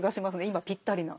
今ぴったりな。